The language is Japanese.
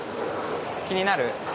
気になる？